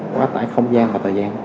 quá tải không gian và thời gian